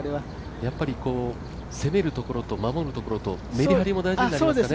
やっぱり攻めるところと守るところとメリハリが大事になりますかね。